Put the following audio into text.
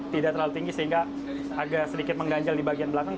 tidak terlalu tinggi sehingga agak sedikit mengganjal di bagian belakang